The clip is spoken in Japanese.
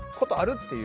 っていう。